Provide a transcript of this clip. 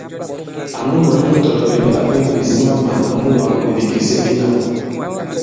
Ànu mǎn nu dɔ̀lɔ̀bìbi a bwě mǐs ma màn muwā nì bìkèse bīnân.